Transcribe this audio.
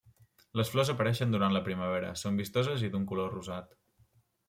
Les flors apareixen durant la primavera, són vistoses i d’un color rosat.